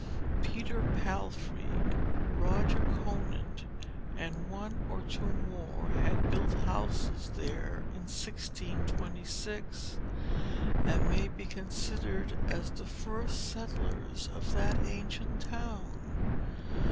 Peter Palfrey, Roger Conant, and one or two more, had built houses there in 1626, and may be considered as the first settlers of that ancient town.